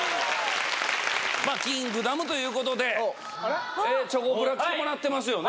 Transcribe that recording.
『キングダム』ということでチョコプラ来てもらってますよね。